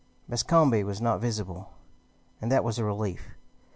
Bascombe was not visible, and that was a relief.